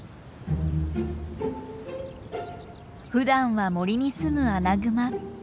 ふだんは森にすむアナグマ。